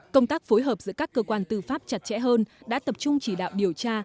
công tác phối hợp giữa các cơ quan tư pháp chặt chẽ hơn đã tập trung chỉ đạo điều tra